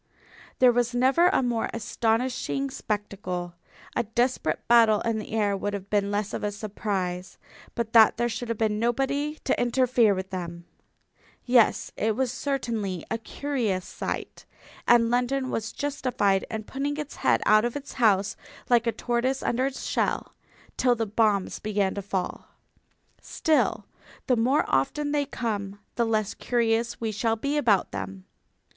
There was never a more astonishing spectacle. A desperate battle in the air would have been less of a surprise. But that there should have been nobody to interfere with them! ... Yes, it was certainly a curious sight, and London was justified in putting its head out of its house, like a tortoise under its shell, till the bombs began to fall. Still, the more often they come the less curious we shall be about them.